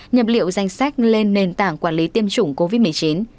nhập liệu danh sách lên nền tảng quản lý tiêm chủng covid một mươi chín